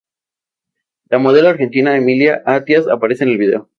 La modelo argentina Emilia Attias aparece en el vídeo.